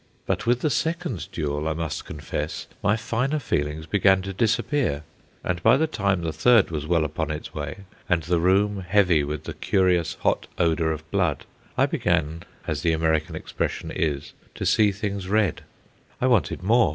But with the second duel, I must confess, my finer feelings began to disappear; and by the time the third was well upon its way, and the room heavy with the curious hot odour of blood, I began, as the American expression is, to see things red. I wanted more.